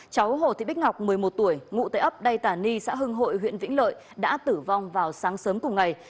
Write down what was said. cháu hồ thị bích ngọc một mươi một tuổi ngụ tại ấp đay tà ni xã hưng hội huyện vĩnh lợi đã tử vong vào sáng sớm cùng ngày